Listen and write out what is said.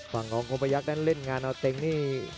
ฝั่งของคมพยักษ์นั้นเล่นงานเอาเต็งนี่